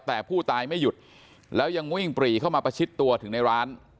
แต่ผู้ตายไม่หยุดแล้วยังวิ่งปรีเข้ามาประชิดตัวถึงในร้าน